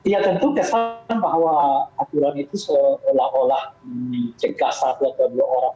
ya tentu kesan bahwa aturan itu seolah olah dicegah satu atau dua orang